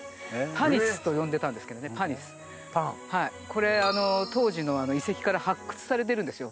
これ当時の遺跡から発掘されてるんですよ。